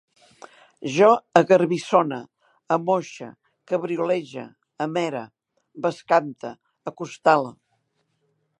Jo agarbissone, amoixe, cabriolege, amere, bescante, acostale